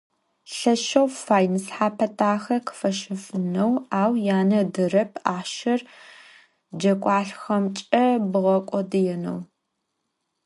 Lheşşeu fay nısxhape daxe khıfaşefıneu, au yane ıderep axhşer cegualhexemç'e bğek'odıneu.